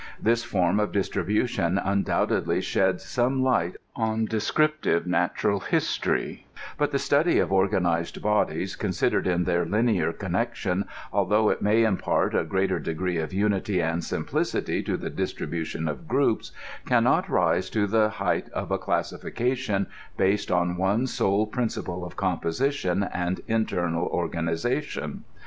This form of distribution undoubtedly sheds some light on descriptive natural history, but the study of organized bodies, considered in their linear connection, although it may impart a greater degree of unity and simplicity to the distri bution of groups, can not rise to the height of a classification based on one sole principle of composition and internal organ ization.